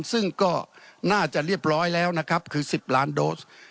ซึ่งก็น่าจะเรียบร้อยแล้วนะครับคือ๑๐ล้านโดส